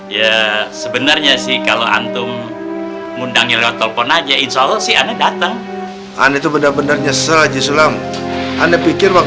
ya bener juga sih kak nanti kalau dipelitup lama banget kak